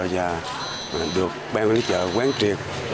và được bên đấy chợ quán triệt